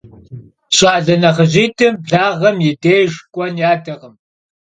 Ş'ale nexhıjit'ım blağuem yi dêjj k'uen yadakhım.